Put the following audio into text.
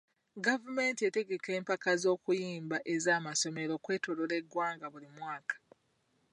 Gavumenti etegeka empaka z'okuyimba ez'amasomero okwetooloola eggwanga buli mwaka.